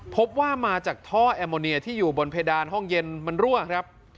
พบว่ามาจากท่อแอมโมเนียที่อยู่บนเพดานห้องเย็นมันรั่วครับ